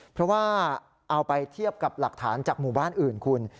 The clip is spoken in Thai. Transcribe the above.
เพราะว่าเอาไปเทียบกับหลักฐานจากหมู่บ้านอื่นคุณ